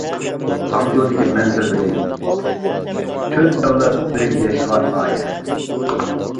خاڭجۇدىكى مەنزىرىلىرى: تۆت ئەۋلاد بىرگە ياشىغان ئائىلە.